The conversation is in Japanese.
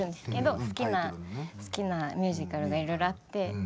好きなミュージカルがいろいろあって。